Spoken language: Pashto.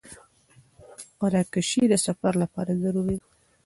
قرعه کشي د سفر لپاره ضروري ده.